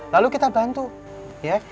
lalu kita bantu ya